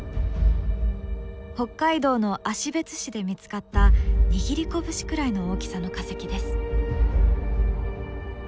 北海道の芦別市で見つかった握り拳くらいの大きさの化石です。